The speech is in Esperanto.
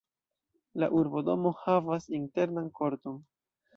La urbodomo havas internan korton.